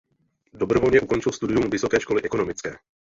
Dobrovolně ukončil studium Vysoké školy ekonomické.